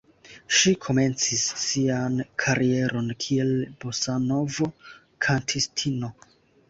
Ŝi komencis sian karieron kiel bosanovo-kantistino.